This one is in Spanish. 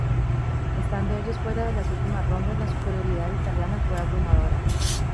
Estando ellos fuera de los últimas rondas, la superioridad italiana fue abrumadora.